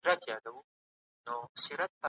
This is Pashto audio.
تخنیکي پرمختګ د انسانانو ژوند ژغوري.